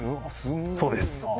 そうです。